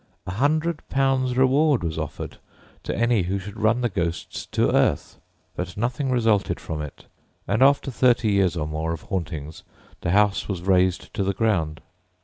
A hundred pounds reward was offered to any who should run the ghosts to earth; but nothing resulted from it, and after thirty years or more of hauntings, the house was razed to the ground.